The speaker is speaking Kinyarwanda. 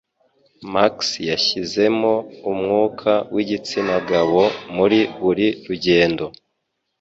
Max yashizemo umwuka wigitsina gabo muri buri rugendo